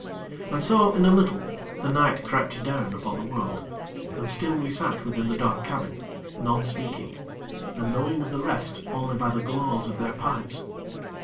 And so, in a little, the night crept down upon the world, and still we sat within the dark cabin, none speaking, and knowing of the rest only by the glows of their pipes.